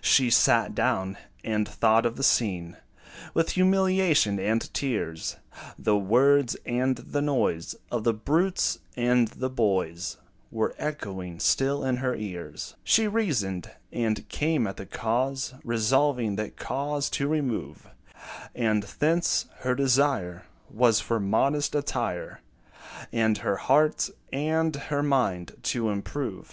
She sat down, and thought of the scene With humiliation and tears: The words, and the noise Of the brutes and the boys Were echoing still in her ears. She reasoned, and came at the cause, Resolving that cause to remove; And thence, her desire Was for modest attire, And her heart and her mind to improve.